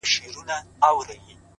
صبر د موخو ساتونکی دی